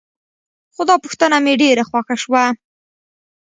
خو دا پوښتنه مې ډېره خوښه شوه.